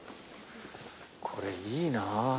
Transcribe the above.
これいいな。